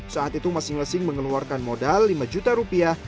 saat itu masing masing mengeluarkan modal lima juta rupiah